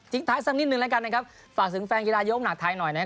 สิ่งสุดท้ายสักนิดนึงหลายการนะครับฝากถึงแฟนกีฬาโยมหลักไทยหน่อยนะครับ